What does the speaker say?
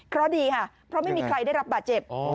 เพราะดีค่ะเพราะไม่มีใครได้รับบาดเจ็บ